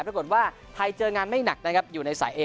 ปรากฏว่าไทยเจองานไม่หนักนะครับอยู่ในสายเอ